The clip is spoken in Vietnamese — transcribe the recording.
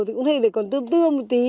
thì cũng để còn tương tương một tí